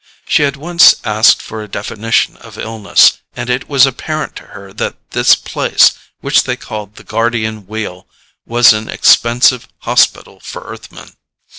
She had once asked for a definition of illness, and it was apparent to her that this place which they called the Guardian Wheel was an expensive hospital for Earthmen.